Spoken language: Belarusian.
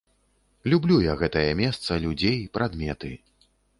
Люблю я гэтае месца, людзей, прадметы.